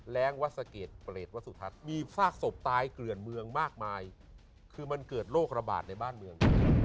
วัดสะเกดเปรตวัสสุทัศน์มีซากศพตายเกลื่อนเมืองมากมายคือมันเกิดโรคระบาดในบ้านเมือง